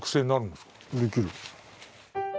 できるよ。